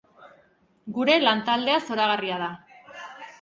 Gure lantaldea zoragarria da.